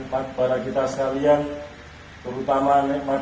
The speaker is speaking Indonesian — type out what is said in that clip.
semoga berjaya semoga berjaya rakyat